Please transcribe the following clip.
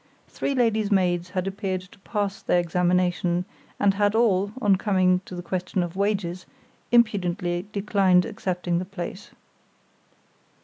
Three ladies' maids had appeared to pass their examination, and had all, on coming to the question of wages, impudently declined accepting the place.